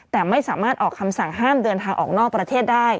แต่ไม่สามารถออกคำสั่งห้ามเดินทางออกนอกประเทศได้